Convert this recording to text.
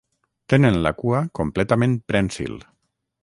Tenen la cua completament prènsil.